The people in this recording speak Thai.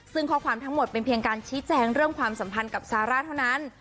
ซึ่งข้อความทั้งหมดเป็นเพียงการชี้แจงเรื่องความสัมพันธ์กับซาร่าเท่านั้น